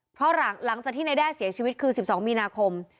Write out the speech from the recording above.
เพราะหลังจากที่นายแด้เสียชีวิตคือ๑๒มีนาคม